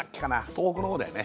東北のほうだよね